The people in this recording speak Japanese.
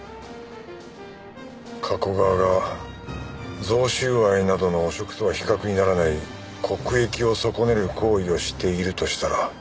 加古川が贈収賄などの汚職とは比較にならない国益を損ねる行為をしているとしたら？